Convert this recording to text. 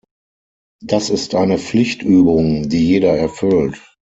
Das ist eine Pflichtübung, die jeder erfüllt.